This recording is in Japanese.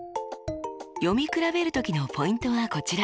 読み比べる時のポイントはこちら。